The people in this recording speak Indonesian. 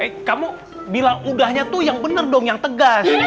eh kamu bilang udahnya tuh yang bener dong yang tegas